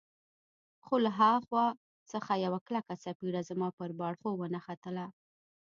خو له ها خوا څخه یوه کلکه څپېړه زما پر باړخو ونښتله.